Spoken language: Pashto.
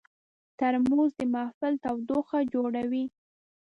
ترموز د محفل تودوخه جوړوي.